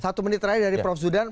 satu menit terakhir dari prof zudan